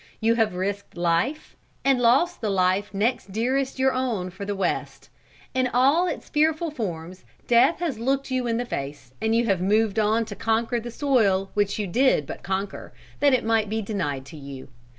You have risked life, and lost the life next dearest your own for the West. In all its fearful forms, death has looked you in the face, and you have moved on to conquer the soil which you did but conquer, that it might be denied to you.